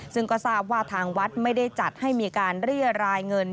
ซึ่งก็ทราบว่าทางวัดไม่ได้จัดให้มีการเรียรายเงิน